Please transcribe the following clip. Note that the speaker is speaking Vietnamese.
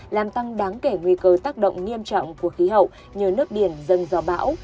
làm tăng đáng kể nguy cơ tác động nghiêm trọng của khí hậu nhờ nước biển dâng do bão